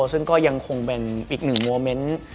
ซึ่งก็ยังคงเป็นอีกหนึ่งโมเมนต์